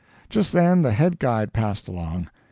Just then the head guide passed along.